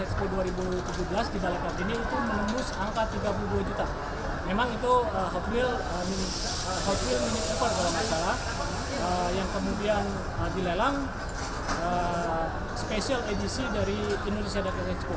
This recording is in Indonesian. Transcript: yang kemudian dilelang special edisi dari indonesia dki expo